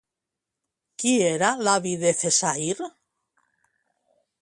Qui era l'avi de Cessair?